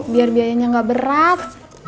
biar biayanya gak berat